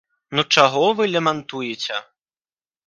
Ну чаго вы лямантуеце?